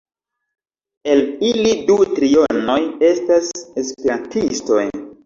El ili du trionoj estas esperantistoj.